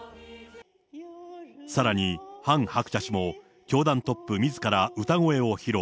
さらにハン・ハクチャ氏も教団トップ自ら歌声を披露。